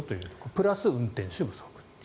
プラス運転手不足。